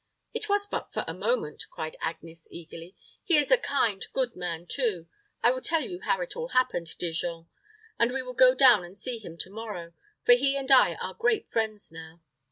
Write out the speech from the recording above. "It was but for a moment," cried Agnes, eagerly. "He is a kind, good man, too. I will tell you how it all happened, dear Jean; and we will go down and see him to morrow, for he and I are great friends now.